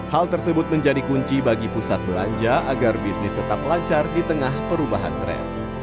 hal tersebut menjadi kunci bagi pusat belanja agar bisnis tetap lancar di tengah perubahan tren